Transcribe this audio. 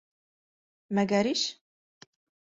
Мәгәриш?!